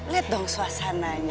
liat dong suasananya